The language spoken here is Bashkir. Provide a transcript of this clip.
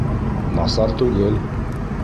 Насар түгел!